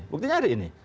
buktinya ada ini